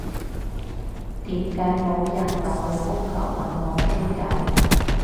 點解冇人八號風球搵我傾偈？